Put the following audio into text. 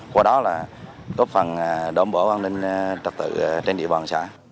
qua đó góp phần đảm bảo an ninh trật tự trên địa bàn của xã